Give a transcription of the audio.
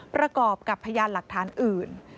ประกอบกับพยานหลักฐานอื่น